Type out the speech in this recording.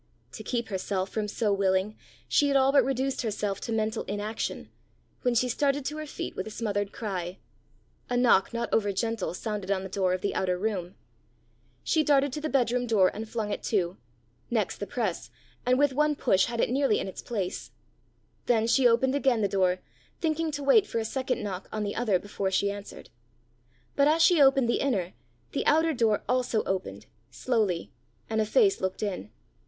To keep herself from so willing, she had all but reduced herself to mental inaction, when she started to her feet with a smothered cry: a knock not over gentle sounded on the door of the outer room. She darted to the bedroom door and flung it to next to the press, and with one push had it nearly in its place. Then she opened again the door, thinking to wait for a second knock on the other before she answered. But as she opened the inner, the outer door also opened slowly and a face looked in.